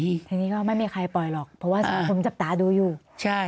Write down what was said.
ทีนี้ก็ไม่มีใครปล่อยหรอกเพราะว่าสังคมจับตาดูอยู่ใช่